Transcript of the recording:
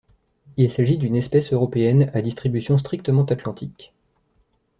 Il s'agit d'une espèce européenne à distribution strictement atlantique.